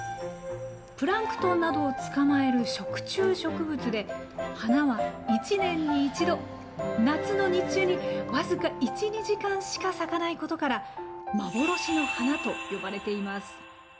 プランクトンなどを捕まえる食虫植物で花は１年に一度、夏の日中に僅か１２時間しか咲かないことから幻の花と呼ばれています。